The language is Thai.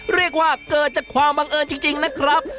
เรียกว่าเกิดจากความบังเอิญจริงนะครับ